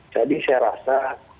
jadi saya rasa